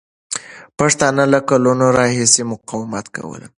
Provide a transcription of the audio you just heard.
پښتانه له کلونو راهیسې مقاومت کوله.